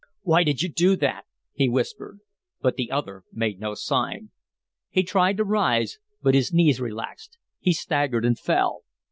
"Why did you do that?" he whispered; but the other made no sign. He tried to rise, but his knees relaxed; he staggered and fell.